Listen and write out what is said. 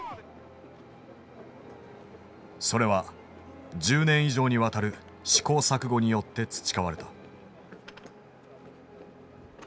それは１０年以上にわたる試行錯誤によって培われた。